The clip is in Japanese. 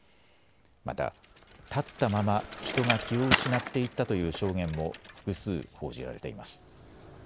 また立ったまま人が気を失っていったという証言も複数報じられています。